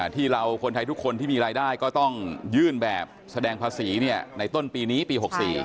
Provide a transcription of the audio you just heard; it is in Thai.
ที่เราคนไทยทุกคนที่มีรายได้ก็ต้องยื่นแบบแสดงภาษีในต้นปีนี้ปี๖๔